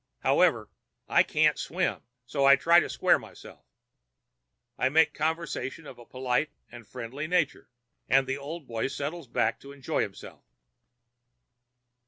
However, I can't swim, so I try to square myself. I make conversation of a polite and friendly nature, and the old boy settles back to enjoy himself.